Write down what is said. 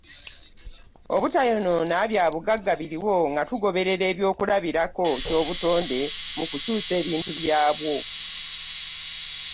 Obutayonoonanga bya bugagga biriwo, nga tugoberera eky’okulabirako ky’obutonde mu kukyusa ebintu byabwo.